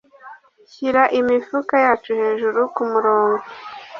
Shira imifuka yacu hejuru kumurongo.